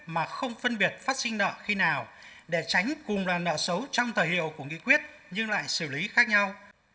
mà không phân biệt phát sinh nợ khi nào để tránh cùng đoàn nợ xấu trong thời hiệu của nghị quyết nhưng lại xử lý khác nhau